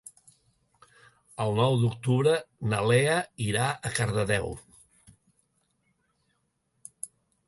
El nou d'octubre na Lea irà a Cardedeu.